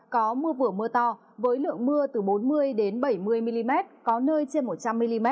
có mưa vừa mưa to với lượng mưa từ bốn mươi bảy mươi mm có nơi trên một trăm linh mm